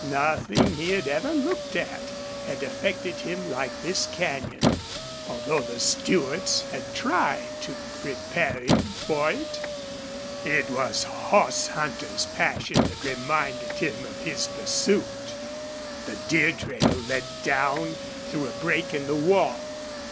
Nothing he had ever looked at had affected him like this canyon, although the Stewarts had tried to prepare him for it. It was the horse hunter's passion that reminded him of his pursuit. The deer trail led down through a break in the wall.